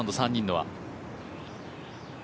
３人のは。